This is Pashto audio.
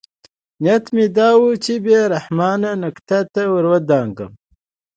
نیت مې دا و چې بې رحمانه نقد ته ورودانګم.